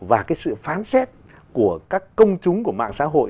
và quan sát của các công chúng của mạng xã hội